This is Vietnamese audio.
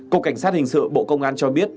cục cảnh sát hình sự bộ công an cho biết